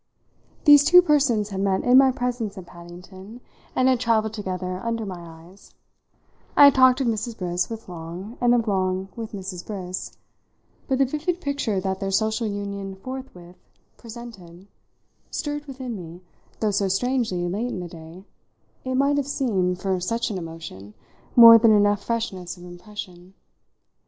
These two persons had met in my presence at Paddington and had travelled together under my eyes; I had talked of Mrs. Briss with Long and of Long with Mrs. Briss; but the vivid picture that their social union forthwith presented stirred within me, though so strangely late in the day, it might have seemed, for such an emotion, more than enough freshness of impression.